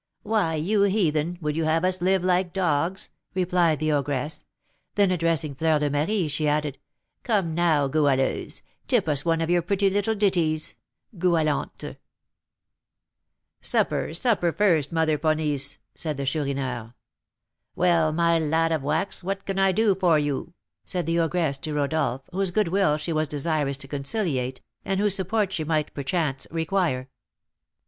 "Why, you heathen, would you have us live like dogs?" replied the ogress. Then addressing Fleur de Marie, she added, "Come, now, Goualeuse, tip us one of your pretty little ditties" (goualantes). "Supper, supper first, Mother Ponisse," said the Chourineur. "Well, my lad of wax, what can I do for you?" said the ogress to Rodolph, whose good will she was desirous to conciliate, and whose support she might, perchance, require.